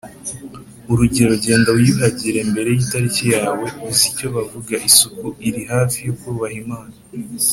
urugero “genda wiyuhagire mbere yitariki yawe. uzi icyo bavuga; isuku iri hafi yo kubaha imana. ”